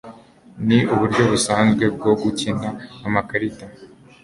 Ni uburyo busanzwe bwo gukina amakarita